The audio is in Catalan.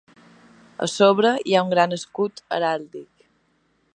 A sobre hi ha un gran escut heràldic.